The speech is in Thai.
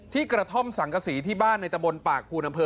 กระท่อมสังกษีที่บ้านในตะบนปากภูนอำเภอ